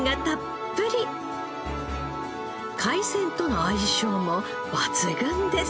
海鮮との相性も抜群です。